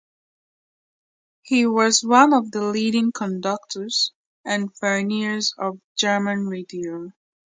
He was one of the leading conductors and pioneers of German radio.